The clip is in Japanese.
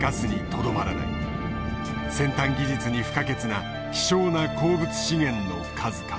先端技術に不可欠な希少な鉱物資源の数々。